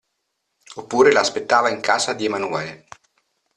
Oppure l'aspettava in casa di Emanuele.